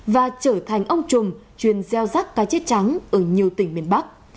và trở thành ông trùm chuyên gieo rắc cái chết trắng ở nhiều tỉnh miền bắc